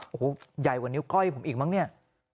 โอ้โหใหญ่กว่านิ้วก้อยผมอีกมั้งเนี่ย